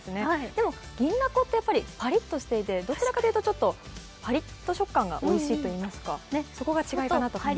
でも銀だこってパリッとしていてどちらかというと、パリッと食感がおいしいといいますか、そこが違いかなと思います。